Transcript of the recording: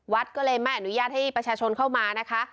ก็เลยไม่อนุญาตให้ประชาชนเข้ามานะคะ